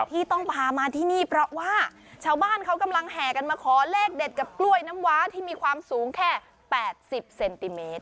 ที่ต้องพามาที่นี่เพราะว่าชาวบ้านเขากำลังแห่กันมาขอเลขเด็ดกับกล้วยน้ำว้าที่มีความสูงแค่๘๐เซนติเมตร